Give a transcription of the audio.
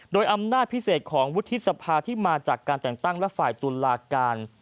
โดยอำนาจพิเศษของวุฒิสภาที่มาจากการแต่งตั้งและฝ่ายตุลาการ